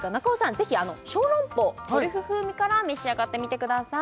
ぜひ小籠包トリュフ風味から召し上がってみてください